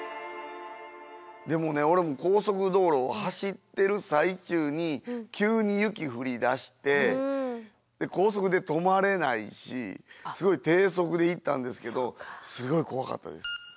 でもね俺も高速道路走っている最中に急に雪降りだして高速で止まれないしすごい低速で行ったんですけどすごい怖かったです。